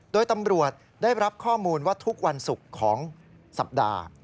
โดยตำรวจได้รับข้อมูลว่าทุกวันศุกร์ของสัปดาห์